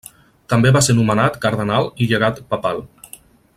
També va ser nomenat cardenal i llegat papal.